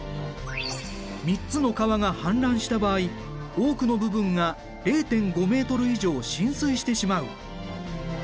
３つの川が氾濫した場合多くの部分が０．５ｍ以上浸水してしまう。